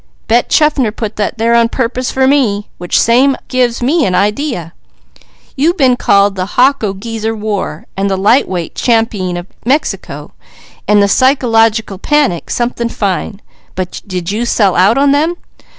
Bet Chaffner put that there on purpose for me. Which same gives me an idea. You been calling the Hoc de Geezer war, and the light weight champeen of Mexico, and 'the psychological panic' something fine; but did you sell out on them?